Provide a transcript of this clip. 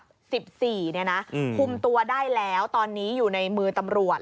คุมตัวได้แล้วตอนนี้อยู่ในมือตำรวจ